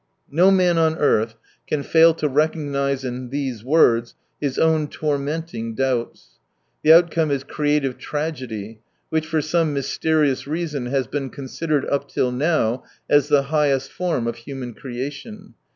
No man on earth can fail to recognise in these words his own tormenting doubts. The outcome is creative tragedy, which for some mysterious reason has been considered up till now as the highest form of human creation.